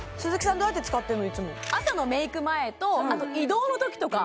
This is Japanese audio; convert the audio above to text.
どうやって使ってんの？